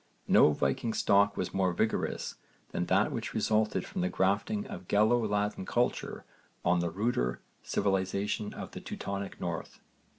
No Viking stock was more vigorous than that which resulted from the grafting of Gallo Latin culture on the ruder civilisation of the Teutonic north.